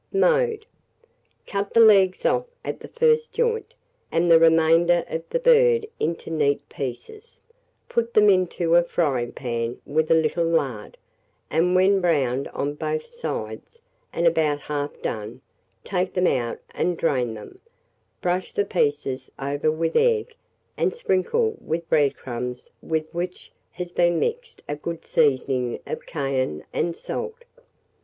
Mode. Cut the legs off at the first joint, and the remainder of the bird into neat pieces; put them into a fryingpan with a little lard, and when browned on both sides, and about half done, take them out and drain them; brush the pieces over with egg, and sprinkle with bread crumbs with which has been mixed a good seasoning of cayenne and salt.